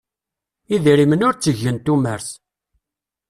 Idrimen ur ttegen tumert.